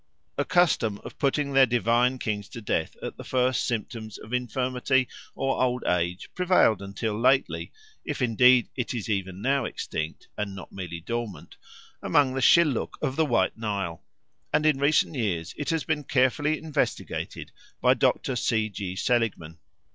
A custom of putting their divine kings to death at the first symptoms of infirmity or old age prevailed until lately, if indeed it is even now extinct and not merely dormant, among the Shilluk of the White Nile, and in recent years it has been carefully investigated by Dr. C. G. Seligman.